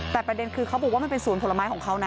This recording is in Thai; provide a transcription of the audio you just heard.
แต่ประเด็นคือเขาบอกว่ามันเป็นสวนผลไม้ของเขานะ